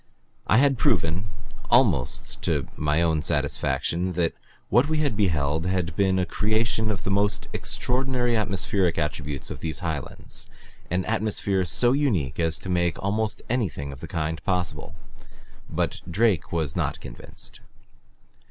I had proven, almost to my own satisfaction, that what we had beheld had been a creation of the extraordinary atmospheric attributes of these highlands, an atmosphere so unique as to make almost anything of the kind possible. But Drake was not convinced.